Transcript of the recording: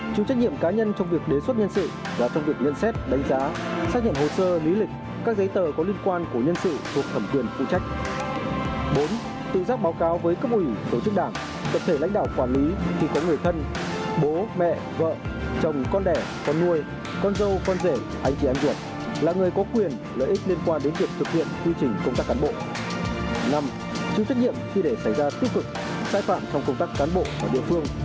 năm chứa trách nhiệm khi để xảy ra tiêu cực sai phạm trong công tác cán bộ ở địa phương